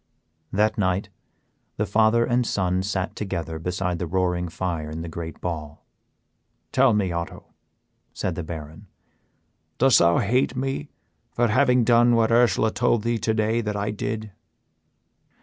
That night the father and son sat together beside the roaring fire in the great ball. "Tell me, Otto," said the Baron, "dost thou hate me for having done what Ursela told thee today that I did?"